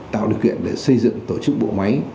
tạo điều kiện để xây dựng tổ chức bộ máy